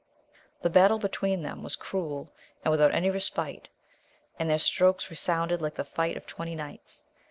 The battle between them was cruel and without any respite, and their strokes resounded like the fight of twenty knights.